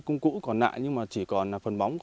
cung cũ còn lại nhưng mà chỉ còn phần móng